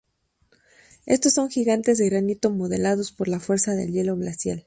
Estos son gigantes de granito modelados por la fuerza del hielo glacial.